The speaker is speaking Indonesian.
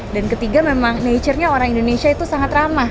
dan ketiga memang nature nya orang indonesia itu sangat ramah